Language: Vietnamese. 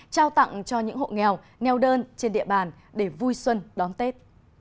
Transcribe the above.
trao tặng cho những hộ nghèo neo đơn trên địa bàn để vui xuân đón tết